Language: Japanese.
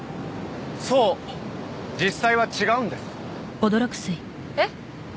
そう実際は違うんですえっ？